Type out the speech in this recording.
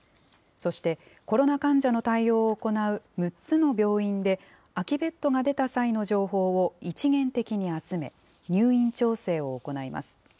そしてコロナ患者の対応を行う６つの病院で、空きベッドが出た際の情報を一元的に集め、入院調整を行います。